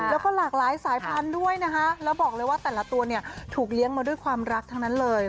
แล้วก็หลากหลายสายพันธุ์ด้วยนะคะแล้วบอกเลยว่าแต่ละตัวเนี่ยถูกเลี้ยงมาด้วยความรักทั้งนั้นเลย